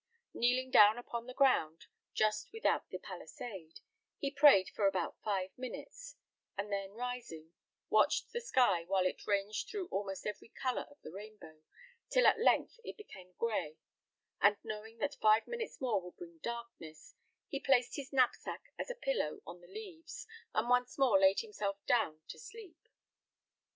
Kneeling down upon the ground, just without the palisade, he prayed for about five minutes; and then rising, watched the sky while it ranged through almost every colour of the rainbow, till at length it became gray, and knowing that five minutes more would bring darkness, he placed his knapsack as a pillow on the leaves, and once more laid himself down to sleep.